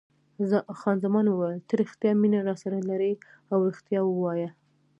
خان زمان وویل: ته رښتیا مینه راسره لرې او رښتیا وایه.